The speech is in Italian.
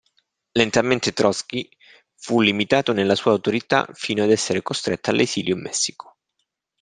Lentamente Trozkij fu limitato nella sua autorità fino ad essere costretto all'esilio in Messico.